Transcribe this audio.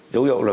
dấu hiệu là